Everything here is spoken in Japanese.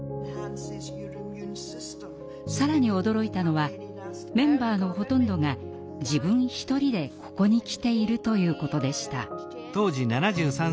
更に驚いたのはメンバーのほとんどが自分一人でここに来ているということでした。